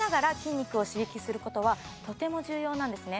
実はですねすることはとても重要なんですね